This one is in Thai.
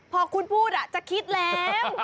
พอคุณพูดจะคิดแล้ว